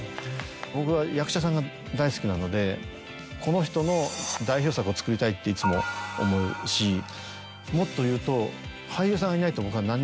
僕は役者さんが大好きなのでこの人の代表作を作りたいっていつも思うしもっと言うと。